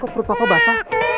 kok perut papa basah